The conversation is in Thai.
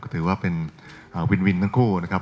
ถือว่าเป็นวินวินทั้งคู่นะครับ